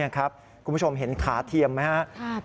คุณผู้ชมเห็นขาเทียมไหมครับ